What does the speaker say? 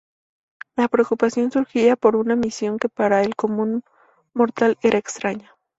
La preocupación surgía por una misión que para el común mortal era extraña.